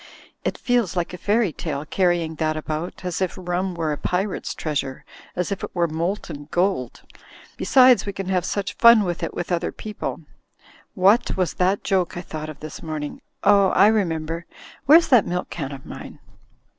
It feels like a fairy tale, carrying that about — as if rum were a pirate's treasure, as if it were molten gold. Besides, we can have such fun with it with other people — ^what was that joke I thought of this morning? Oh, I remember! Where's that milk can of mine?"